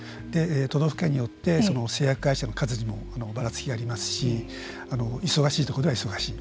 都道府県によって製薬会社の数にもばらつきがありますし忙しいところでは忙しい。